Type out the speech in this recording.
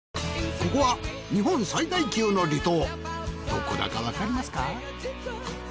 ここは日本最大級の離島どこだかわかりますか？